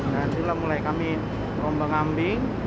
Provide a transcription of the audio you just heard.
dan itulah mulai kami terombang ambing